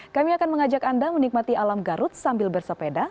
kami akan mengajak anda menikmati alam garut sambil bersepeda